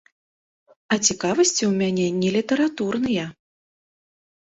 А цікавасці ў мяне не літаратурныя.